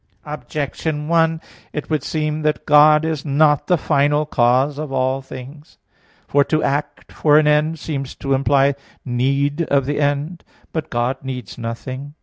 Objection 1: It would seem that God is not the final cause of all things. For to act for an end seems to imply need of the end. But God needs nothing.